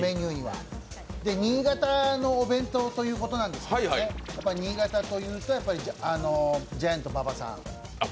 新潟のお弁当ということなんですけど、新潟といえばジャイアント馬場さん。